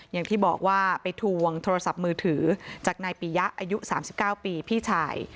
อย่างที่บอกว่าไปทวงโทรศัพท์มือถือจากนายปียะอายุ๓๙ปีพี่ชาย